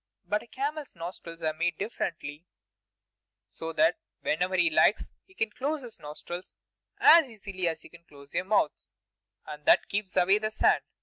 But a camel's nostrils are made differently, so that whenever he likes he can close his nostrils, as easily as you can close your mouths, and that keeps away the sand.